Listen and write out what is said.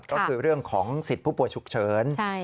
ก็คือเรื่องของสิทธิ์ผู้ป่วยฉุกเฉิน